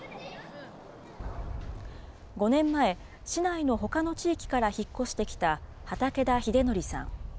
５年前、市内のほかの地域から引っ越してきた畑田英範さん。